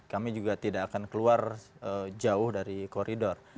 kami juga tidak akan keluar jauh dari koridor